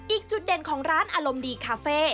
อีกจุดเด่นของร้านอารมณ์ดีคาเฟ่